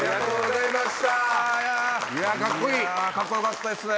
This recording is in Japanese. カッコよかったですね。